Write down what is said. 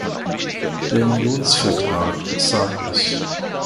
Der Unionsvertrag sagt es.